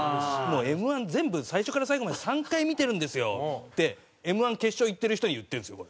「Ｍ−１全部最初から最後まで３回見てるんですよ」ってＭ−１決勝いってる人に言ってるんですよこれ。